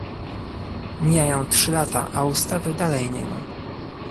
Mijają trzy lata, a ustawy dalej nie ma